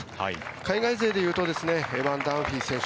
海外勢でいうとエバン・ダンフィー選手